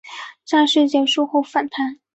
战事结束后返台。